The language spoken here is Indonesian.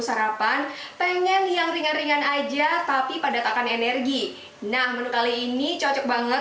sarapan pengen yang ringan ringan aja tapi padat akan energi nah menu kali ini cocok banget